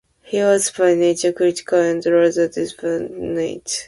He was by nature critical and rather dispassionate.